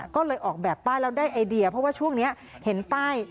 ก็เลยออกแบบป้ายแล้วได้ไอเดียเพราะว่าช่วงนี้เห็นป้าย